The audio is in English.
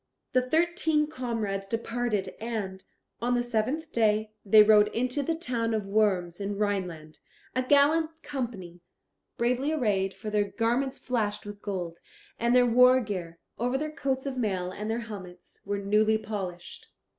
The thirteen comrades departed and, on the seventh day, they rode into the town of Worms in Rhineland, a gallant company, bravely arrayed, for their garments flashed with gold, and their war gear, over their coats of mail and their helmets, were newly polished.